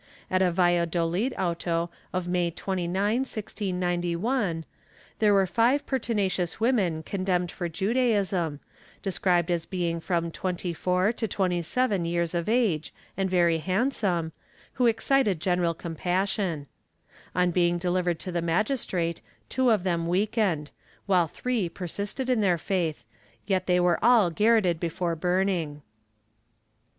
At a Valladolid auto of May 29, 1691, there were five pertinacious women condemned for Judaism, described as being from 24 to 27 years of age and very handsome, who excited general compassion. On being delivered to the magistrate two of them weakened, while three persisted in their faith, yet they were all garrotted before burning.